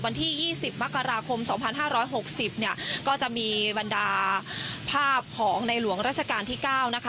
วันที่๒๐มกราคม๒๕๖๐เนี่ยก็จะมีบรรดาภาพของในหลวงราชการที่๙นะคะ